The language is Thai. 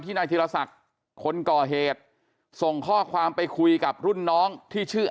นายธีรศักดิ์คนก่อเหตุส่งข้อความไปคุยกับรุ่นน้องที่ชื่อ